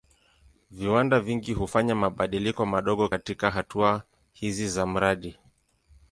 Viwanda vingi hufanya mabadiliko madogo katika hatua hizi za mradi.